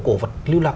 cổ vật lưu lạc